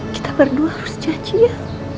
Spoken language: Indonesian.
kita berdua harus caci ya